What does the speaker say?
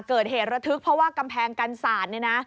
เกิดเหตุระทึกเพราะว่ากำแพงกันศาสตร์เนี่ยนะ